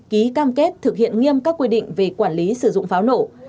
ký cam kết thực hiện nghiêm các quy định về quản lý sử dụng pháo nổ